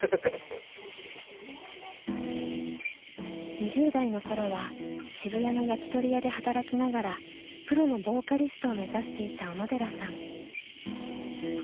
２０代の頃は渋谷の焼き鳥屋で働きながらプロのボーカリストを目指していた小野寺さん。